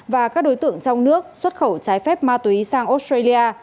và các đối tượng trong nước xuất khẩu trái phép ma túy sang australia